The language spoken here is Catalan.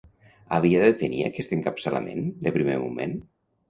Havia de tenir aquest encapçalament, de primer moment?